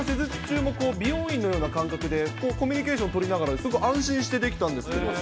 なんか施術中も、美容院のような感覚で、コミュニケーション取りながら、すごく安心してできたんですけど。